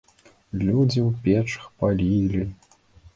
Людзі ў печах палілі.